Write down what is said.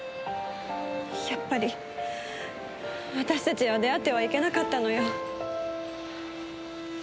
やっぱり私たちは出会ってはいけなかったのよ。